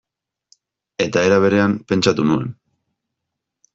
Eta era berean, pentsatu nuen.